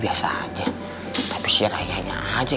padahal mondi tuh gak ada apaan sih